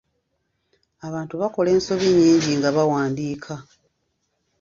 Abantu bakola ensobi nyingi nga bawandiika.